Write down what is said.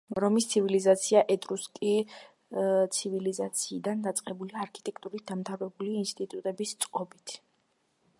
რომის ცივილიზაცია ეტრუსკი–ცივილიზაციდან დაწყებული არქიტექტურით დამთავრებული ინსტიტუტების წყობით.